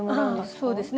そうですね